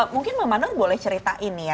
mungkin mama nur boleh ceritain ya